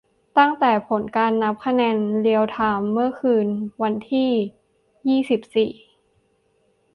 ตั้งแต่ผลการนับคะแนนเรียลไทม์ เมื่อคืนวันที่ ยี่สิบสี่